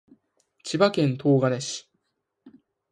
千葉県東金市